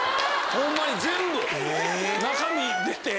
ホンマに全部中身出て。